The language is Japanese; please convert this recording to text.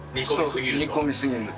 煮込みすぎると？